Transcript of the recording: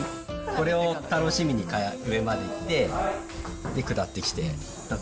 これを楽しみに上まで行って、下ってきて。